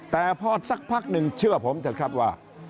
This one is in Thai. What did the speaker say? แต่พอสักพักหนึ่งเชื่อผมเถอะครับว่า